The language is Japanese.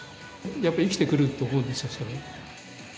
やっぱり生きてくると思うんです